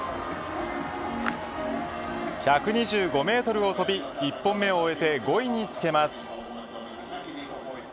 １２５メートルを飛び１本目を終えて５位につけます。